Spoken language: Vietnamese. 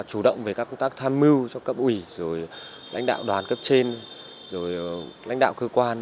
chủ động về các công tác tham mưu cho cấp ủy rồi lãnh đạo đoàn cấp trên rồi lãnh đạo cơ quan